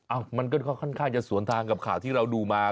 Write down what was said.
มันก็ค่อนข้างจะสวนทางกับข่าวที่เราดูมา